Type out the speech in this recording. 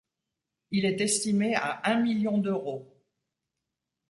Il est estimé à un million d'euros.